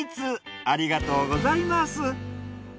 ありがとうございます。